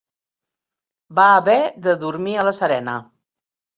Va haver de dormir a la serena.